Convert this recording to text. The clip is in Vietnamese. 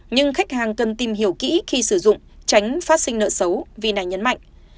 nhưng khách hàng cần tìm hiểu kỹ khi sử dụng tránh phát sinh nợ xấu vì này nhấn mạnh